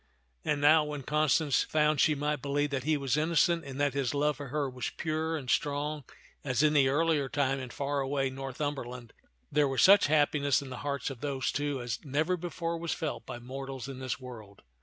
And now, when Constance found she might believe that he was innocent and that his love for her was pure and strong as in the earlier time in far away Northumberland, there was such happiness in the hearts of those two as never before was felt by mortals in this world.